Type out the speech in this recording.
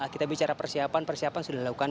kita bicara persiapan persiapan sudah dilakukan